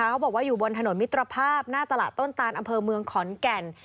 เขาบอกว่าอยู่บนถนนมิตรภาพหน้าตลาดต้นตานอำเภอเมืองขอนแก่น